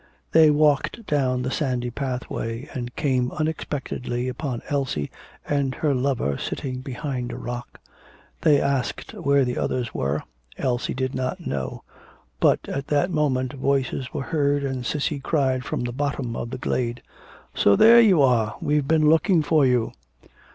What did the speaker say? They walked down the sandy pathway, and came unexpectedly upon Elsie and her lover sitting behind a rock. They asked where the others were. Elsie did not know. But at that moment voices were heard, and Cissy cried from the bottom of the glade: 'So there you are; we've been looking for you.'